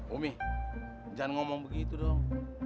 umi jangan ngomong begitu dong